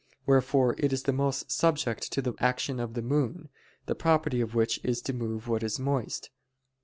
iii]: wherefore it is the most subject to the action of the moon, the property of which is to move what is moist.